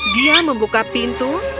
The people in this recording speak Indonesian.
dia membuka pintu